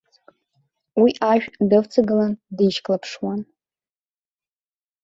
Уи ашә дывҵагылан дишьклаԥшуан.